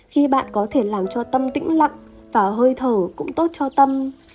khi bạn có thể làm cho tâm tĩnh lặng và hơi thở cũng tốt cho tâm